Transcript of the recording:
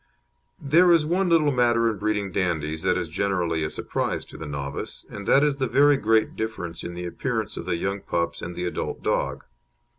There is one little matter in breeding Dandies that is generally a surprise to the novice, and that is the very great difference in the appearance of the young pups and the adult dog.